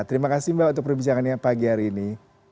terima kasih mbak untuk perbincangannya pagi hari ini